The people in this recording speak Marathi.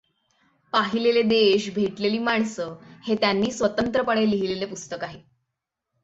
पाहिलेले देश भेटलेली माणसं हे त्यांनी स्वतंत्रपणे लिहिलेले पुस्तक आहे.